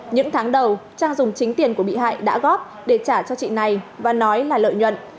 những tháng đầu trang dùng chính tiền của bị hại đã góp để trả cho chị này và nói là lợi nhuận